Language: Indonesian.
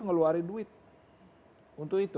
ngeluarin duit untuk itu